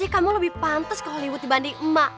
kamu lebih pantas ke hollywood dibanding emak